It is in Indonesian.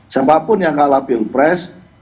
siapapun yang kalah pilpres